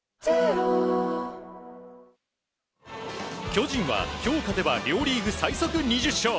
巨人は今日勝てば両リーグ最速２０勝！